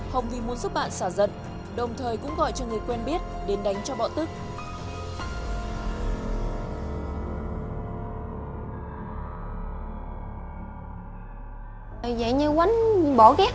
hồng vì muốn giúp bạn xả giận đồng thời cũng gọi cho người quen biết đến đánh cho bỏ tức